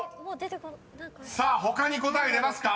［他に答え出ますか？